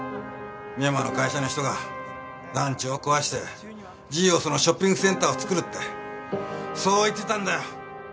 深山の会社の人が団地を壊してジーオスのショッピングセンターをつくるってそう言ってたんだよ。